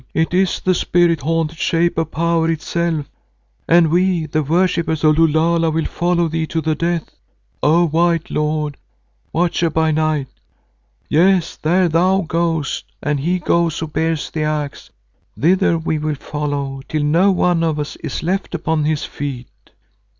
It is the spirit haunted Shape of Power itself, and we the Worshippers of Lulala will follow thee to the death, O white lord, Watcher by Night. Yes, where thou goest and he goes who bears the Axe, thither will we follow till not one of us is left upon his feet."